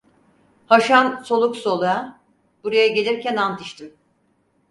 Haşan soluk soluğa: 'Buraya gelirken ant içtim.'